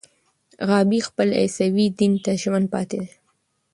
غابي خپل عیسوي دین ته ژمن پاتې دی.